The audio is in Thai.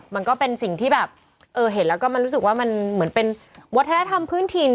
มันก็เป็นสิ่งที่แบบเออเห็นแล้วก็มันรู้สึกว่ามันเหมือนเป็นวัฒนธรรมพื้นถิ่น